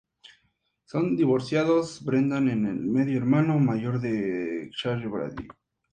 Sus padres son divorciados, Brendan es el medio hermano mayor de Cheryl Brady.